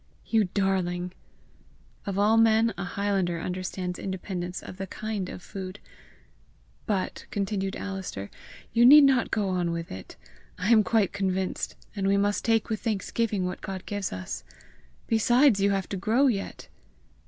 "You darling!" Of all men a highlander understands independence of the KIND of food. "But," continued Alister, "you need not go on with it; I am quite convinced; and we must take with thanksgiving what God gives us. Besides, you have to grow yet!"